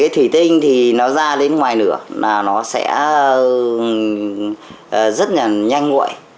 thủy tinh thì nó ra đến ngoài nửa là nó sẽ rất là nhanh nguội